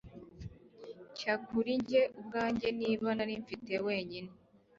Nshya kuri njye ubwanjye Niba narimfite wenyine